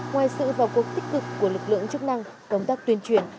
ngoài sự vào cuộc tích cực của lực lượng chức năng công tác tuyên truyền